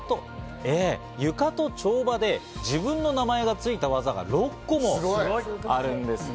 ゆかと跳馬で自分の名前がついた技が６個もあるんですね。